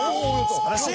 すばらしい！